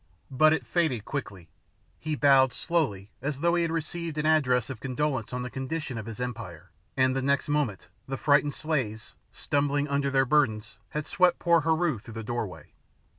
But it faded quickly; he bowed slowly as though he had received an address of condolence on the condition of his empire, and the next moment the frightened slaves, stumbling under their burdens, had swept poor Heru through the doorway.